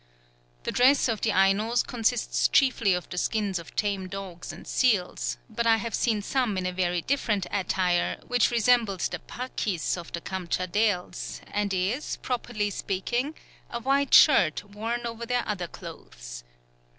The dress of the Ainos consists chiefly of the skins of tame dogs and seals; but I have seen some in a very different attire, which resembled the Parkis of the Kamtschadales, and is, properly speaking a white shirt worn over their other clothes.